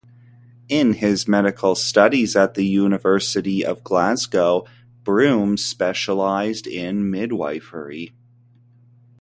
In his medical studies at the University of Glasgow Broom specialised in midwifery.